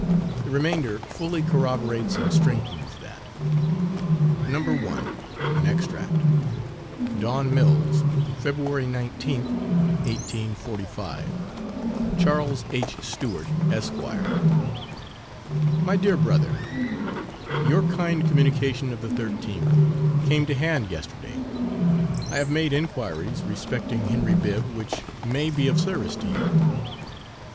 The remainder fully corroborates and strengthens that. [No. 1. An Extract] DAWN MILLS, FEB. 19th, 1845. CHARLES H. STEWART, ESQ. MY DEAR BROTHER: Your kind communication of the 13th came to hand yesterday. I have made inquiries respecting Henry Bibb which may be of service to you.